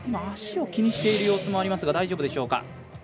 足を気にしている様子もありますが大丈夫でしょうか。